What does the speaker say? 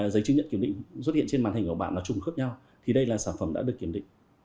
giấy chứng nhận kiểm định xuất hiện trên màn hình của bạn là trùng khớp nhau thì đây là sản phẩm đã được kiểm định